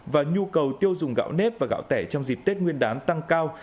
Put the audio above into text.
và nhu cầu tiêu dùng gạo nếp và gạo tẻ trong dịp tết nguyên đán tăng cao